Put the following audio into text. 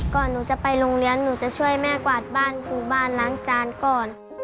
หนูจะไปโรงเรียนหนูจะช่วยแม่กวาดบ้านถูบ้านล้างจานก่อน